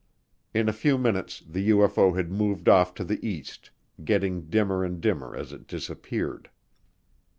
In a few minutes the UFO had moved off to the east, getting dimmer and dimmer as it disappeared.